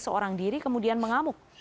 seorang diri kemudian mengamuk